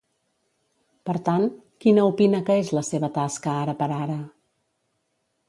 Per tant, quina opina que és la seva tasca ara per ara?